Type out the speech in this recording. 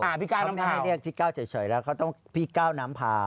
ไม่ให้เรียนพี่ก้าวเฉยแล้วเค้าต้องพี่ก้าน้ำพราว